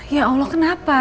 ya allah kenapa